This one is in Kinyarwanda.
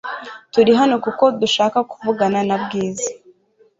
Turi hano kuko dushaka kuvugana na Bwiza .